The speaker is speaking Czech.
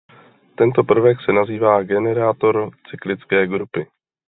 Tento prvek se nazývá generátor cyklické grupy.